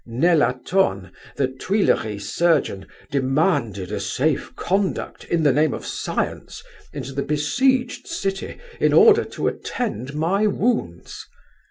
Nelaton, the Tuileries surgeon, demanded a safe conduct, in the name of science, into the besieged city in order to attend my wounds.